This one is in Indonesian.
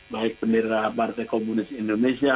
baik bendera partai komunis indonesia